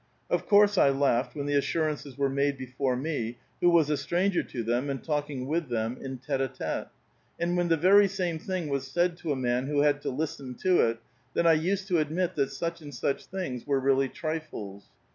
Of course I laughed when the assurances were made before me who was a stranger to them and talking with them in tete £l tete. And wlon the very same thing was said to a man who had to lis ten to it, then I used to admit that such and such things were really trifles.